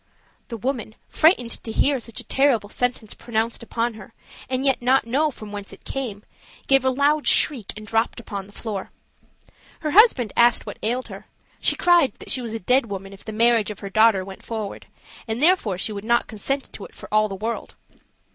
The woman, frightened to hear such a terrible sentence pronounced upon her, and yet not know from whence it came, gave a loud shriek and dropped upon the floor. Her husband asked what ailed her: she cried that she was a dead woman if the marriage of her daughter went forward, and therefore she would not consent to it for all the world.